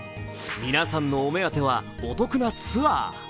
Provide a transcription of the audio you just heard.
皆さんのお目当てはお得なツアー。